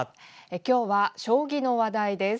今日は将棋の話題です。